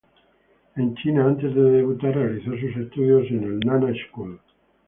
En China antes de debutar realizó sus estudios en el Nana School.